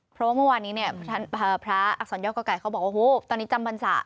เพราะว่าเมื่อวานี้พระอักษรยกอก่ายเค้าบอกว่าโฮตอนนี้จำภัณฑ์ศาสตร์